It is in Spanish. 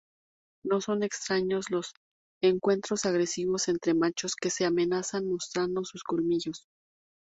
No son extraños los encuentros agresivos entre machos, que se amenazan mostrando sus colmillos.